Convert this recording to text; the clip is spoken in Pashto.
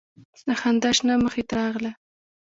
له خندا شنه مخې ته راغله